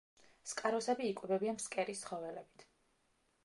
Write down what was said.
სკაროსები იკვებებიან ფსკერის ცხოველებით.